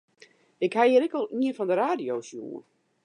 Ik ha hjir ek al ien fan de radio sjoen.